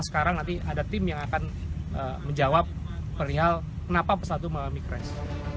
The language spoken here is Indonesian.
sekarang nanti ada tim yang akan menjawab perihal kenapa pesawat itu mengalami crash